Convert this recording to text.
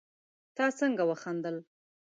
تا څنګه وخندل